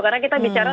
karena kita bicara